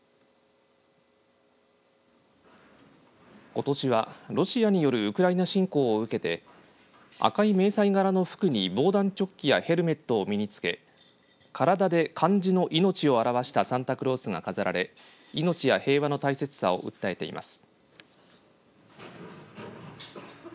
ことしは、ロシアによるウクライナ侵攻を受けて赤い迷彩柄の服に防弾チョッキやヘルメットを身につけ体で漢字の命を表したサンタクロースが飾られ命や平和の大切さを訴えています。